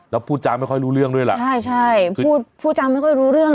แล้วพูดจาไม่ค่อยรู้เรื่องด้วยล่ะใช่ใช่พูดพูดจาไม่ค่อยรู้เรื่อง